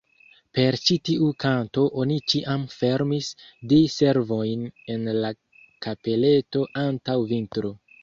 Per ĉi tiu kanto oni ĉiam fermis Di-servojn en la kapeleto antaŭ vintro.